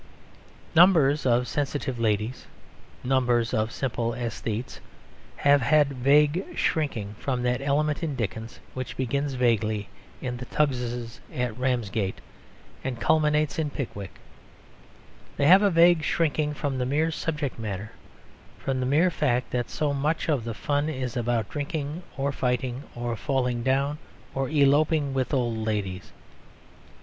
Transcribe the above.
Numbers of sensitive ladies, numbers of simple æsthetes, have had a vague shrinking from that element in Dickens which begins vaguely in The Tuggses at Ramsgate and culminates in Pickwick. They have a vague shrinking from the mere subject matter; from the mere fact that so much of the fun is about drinking or fighting, or falling down, or eloping with old ladies.